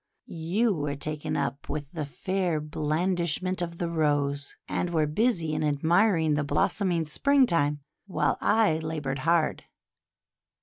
You were taken up with the fair blandishment of the Rose, and were busy in admiring the blossoming Spring time, while I laboured hard.